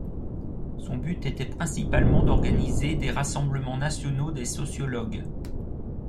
Son but était principalement d'organiser des rassemblements nationaux des sociologues.